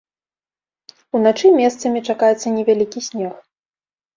Уначы месцамі чакаецца невялікі снег.